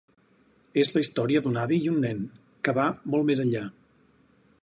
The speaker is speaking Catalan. És la història d’un avi i un nen, que va molt més enllà.